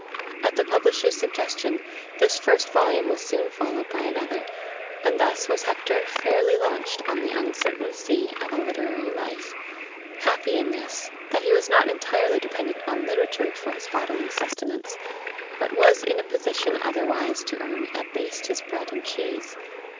At the publisher's suggestion, this first volume was soon followed by another; and thus was Hector fairly launched on the uncertain sea of a literary life; happy in this, that he was not entirely dependent on literature for his bodily sustenance, but was in a position otherwise to earn at least his bread and cheese.